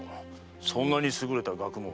そんなに優れた学問を？